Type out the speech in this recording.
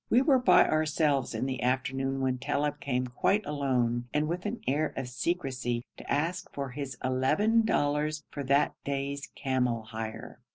We were by ourselves in the afternoon when Talib came quite alone, and with an air of secrecy, to ask for his eleven dollars for that day's camel hire.